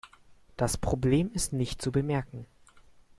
Das Problem ist nicht zu bemerken.